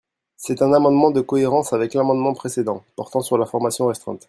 C’est un amendement de cohérence avec l’amendement précédent, portant sur la formation restreinte.